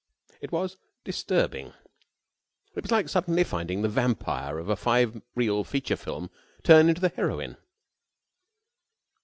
It was disturbing. It was like suddenly finding the vampire of a five reel feature film turn into the heroine.